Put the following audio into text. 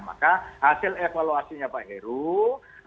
maka hasil evaluasinya pak heru